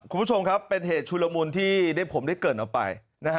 คุณผู้ชมครับเป็นเหตุชุลมุนที่ผมได้เกิดออกไป